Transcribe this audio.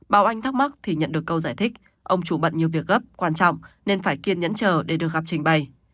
báo anh thắc mắc thì nhận được câu giải thích ông chủ bận nhiều việc gấp quan trọng nên phải kiên nhẫn chờ để được gặp trình bày